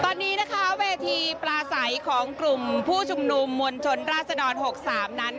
ตอนนี้นะคะเวทีปลาใสของกลุ่มผู้ชุมนุมมวลชนราศดร๖๓นั้น